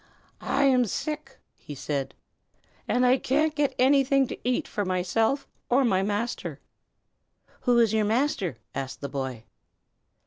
"I am sick," he said, "and I can't get anything to eat for myself or my master." "Who is your master?" asked the boy.